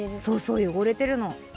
そうそうよごれてるの。